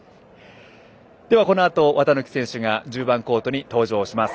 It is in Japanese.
今日はこのあと綿貫選手が１０番コートに登場します。